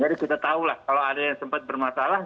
jadi kita tahu lah kalau ada yang sempat bermasalah